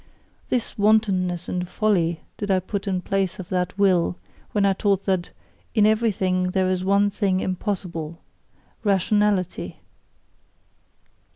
This wantonness and folly did I put in place of that Will, when I taught that "In everything there is one thing impossible rationality!"